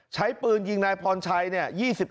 ใช้ปืนยิงนายพรชัยเนี่ย